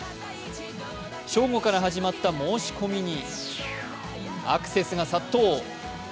正午から始まった申し込みにアクセスが殺到。